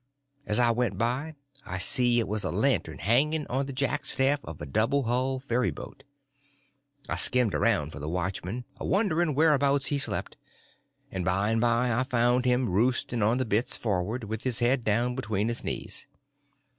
As I went by I see it was a lantern hanging on the jackstaff of a double hull ferryboat. I skimmed around for the watchman, a wondering whereabouts he slept; and by and by I found him roosting on the bitts forward, with his head down between his knees.